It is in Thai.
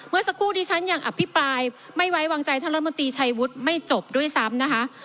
เมื่อสักครู่ที่ฉันยังอภิปรายไม่ไว้วางใจท่านรัฐมนตรีชัยวุฒิไม่จบด้วยซ้ำนะคะ